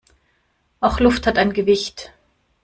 Auch Luft hat ein Gewicht.